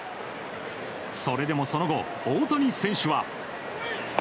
それでもその後、大谷選手は。